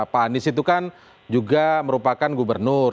pak anies itu kan juga merupakan gubernur